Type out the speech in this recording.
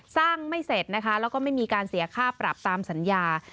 ไม่เสร็จนะคะแล้วก็ไม่มีการเสียค่าปรับตามสัญญา